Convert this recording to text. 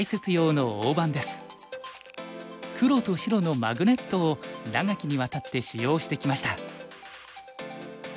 黒と白のマグネットを長きにわたって使用してきました。